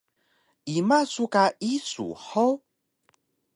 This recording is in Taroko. Ima su ka isu hug?